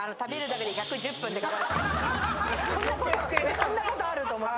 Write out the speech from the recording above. そんなことあるって思って。